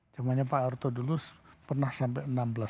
cuma pak arto dulu pernah sampai enam